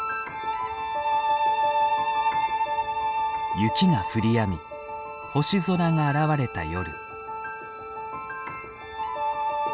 雪が降りやみ星空が現れた夜。